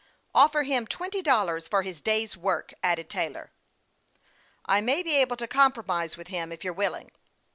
Offer him twenty dollars for his day's work," added Taylor. " I may be able to compromise with him, if you're willing."